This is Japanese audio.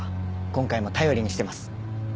今回も頼りにしてます。